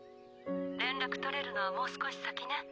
連絡取れるのはもう少し先ね。